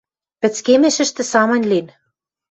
Пӹцкемӹшӹштӹ самынь лин...